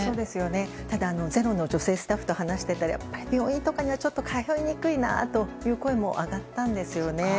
ただ、「ｚｅｒｏ」の女性スタッフを話しているとやっぱり病院とかには通いにくいなという声も上がったんですよね。